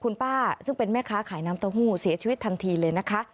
คุณป้าซึ่งเป็นแม่ค้าขายน้ำเต้าหู้เสียชีวิตทันทีเลยนะคะ